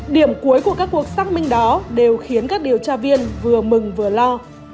điểm cuối của các cuộc xác minh đó đều khiến các điều tra viên vừa mừng vừa lo